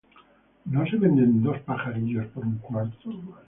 ¿No se venden dos pajarillos por un cuarto?